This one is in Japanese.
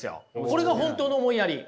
これが本当の思いやり。